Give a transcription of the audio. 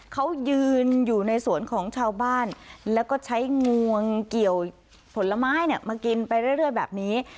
เขายืนอยู่ในสวนของชาวบ้านแล้วก็ใช้งวงเกี่ยวผลไม้มากินไปเรื่อยแบบนี้